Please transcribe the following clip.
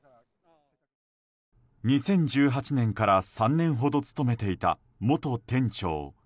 ２０１８年から３年ほど勤めていた元店長。